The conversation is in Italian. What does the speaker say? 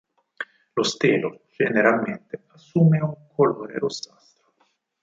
Lo stelo generalmente assume un colore rossastro.